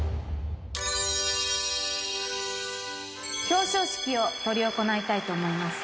表彰式を執り行いたいと思います。